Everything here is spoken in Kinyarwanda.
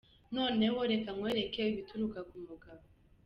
Noneho, reka nkwereke ibituruka ku mugabo :.